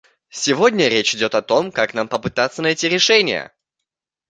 Сегодня речь идет о том, как нам попытаться найти решения.